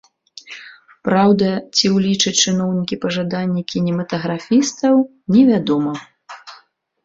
Праўда, ці ўлічаць чыноўнікі пажаданні кінематаграфістаў, невядома.